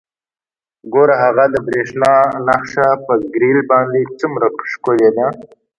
ګوره هغه د بریښنا نښه په ګریل باندې څومره ښکلې ده